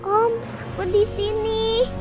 om aku disini